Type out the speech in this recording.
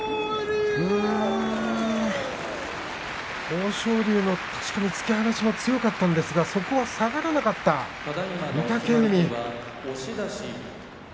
豊昇龍の突き放しも強かったんですがそこは下がらなかった御嶽海。